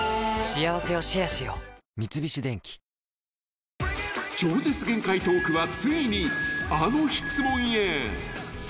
三菱電機［超絶限界トークはついにあの質問へ］